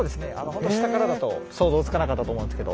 ほんと下からだと想像つかなかったと思うんですけど。